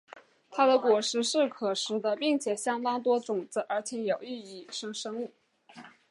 它的果实是可食的并且相当多种子而且有益于野生生物。